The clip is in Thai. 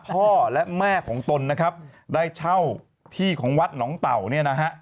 พ่อและแม่ของตนนะครับได้เช่าที่ของวัดหนองเต่าเนี่ยนะฮะ